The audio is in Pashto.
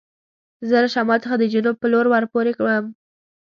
زه له شمال څخه د جنوب په لور ور پورې و وتم.